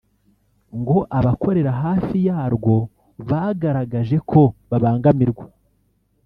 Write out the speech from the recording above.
ngo abakorera hafi yarwo bagaragaje ko babangamirwa